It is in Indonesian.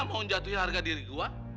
mau jatuhi harga diri gua